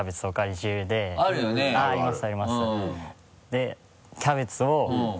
でキャベツを。